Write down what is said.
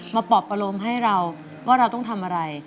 การโปรบให้เราว่าเราต้องทำอะไร